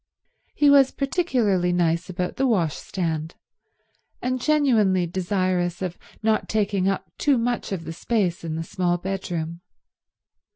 He was particularly nice about the washstand, and genuinely desirous of not taking up too much of the space in the small bedroom.